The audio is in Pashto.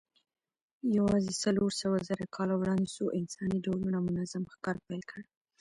یواځې څلورسوهزره کاله وړاندې څو انساني ډولونو منظم ښکار پیل کړ.